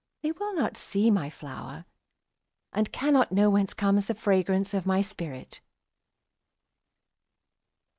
They will not see my flower, And cannot knowWhence comes the fragrance of my spirit!